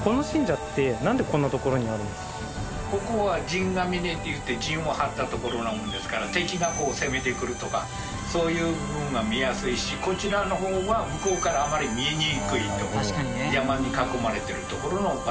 ここは陣ヶ峰といって陣を張った所なもんですから敵がこう攻めてくるとかそういう部分が見やすいしこちらの方は向こうからあまり見えにくい所山に囲まれてる所の場所。